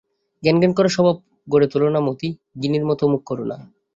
ঘ্যানঘ্যান করার স্বভাব গড়ে তুলো না মতি, গিনির মতো মুখ কোরো না।